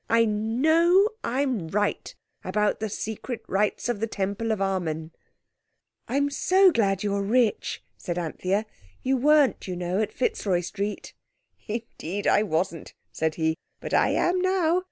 I know I'm right about the secret rites of the Temple of Amen." "I'm so glad you're rich," said Anthea. "You weren't, you know, at Fitzroy Street." "Indeed I wasn't," said he, "but I am now.